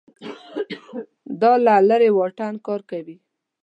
دا له لرې واټن کار کوي